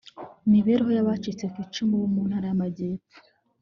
mibereho y abacitse ku icumu bo mu ntara y amajyepfo